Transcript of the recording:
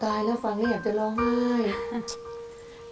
ตายแล้วฟังแล้วอยากจะร้องไห้